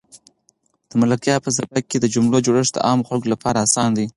د ملکیار په سبک کې د جملو جوړښت د عامو خلکو لپاره اسان دی.